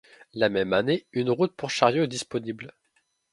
La même année, une route pour chariots est disponible.